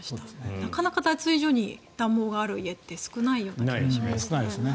なかなか脱衣所に暖房がある家って少ない気がします。